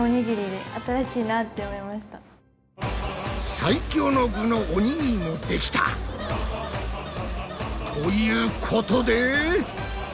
最強の具のおにぎりもできた！ということで。